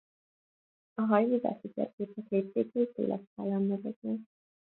A hajózási térképek léptékei széles skálán mozognak.